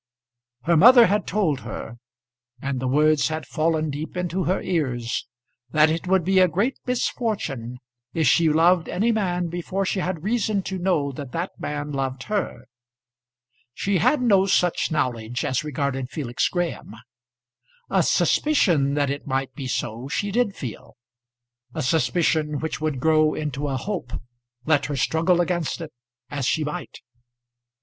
Her mother had told her, and the words had fallen deep into her ears, that it would be a great misfortune if she loved any man before she had reason to know that that man loved her. She had no such knowledge as regarded Felix Graham. A suspicion that it might be so she did feel, a suspicion which would grow into a hope let her struggle against it as she might.